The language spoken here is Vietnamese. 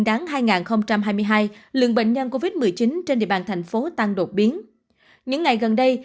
đáng hai nghìn hai mươi hai lượng bệnh nhân covid một mươi chín trên địa bàn thành phố tăng đột biến những ngày gần đây